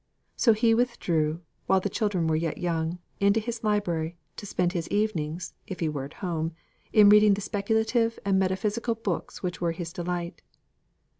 So he withdrew, while the children were yet young, into his library, to spend his evenings (if he were at home), in reading the speculative and metaphysical books which were his delight.